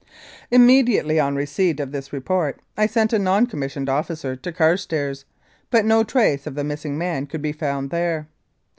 Immediately on receipt of this report I sent a non commissioned officer to Carstairs, but no trace of the missing man could be found there.